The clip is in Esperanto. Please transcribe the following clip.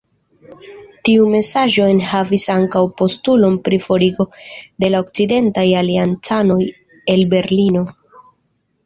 Tiu mesaĝo enhavis ankaŭ postulon pri forigo de la okcidentaj aliancanoj el Berlino.